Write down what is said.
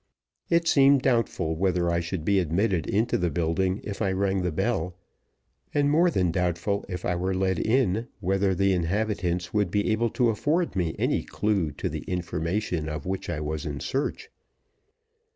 It seemed doubtful whether I should be admitted into the building if I rang the bell; and more than doubtful, if I were let in, whether the inhabitants would be able to afford me any clew to the information of which I was in search.